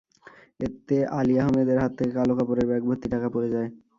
এতে আলী আহমেদের হাত থেকে কালো কাপড়ের ব্যাগভর্তি টাকা পড়ে যায়।